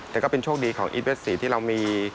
แต่ก็เป็นโชคดีของอีทเวส๔ที่เรามี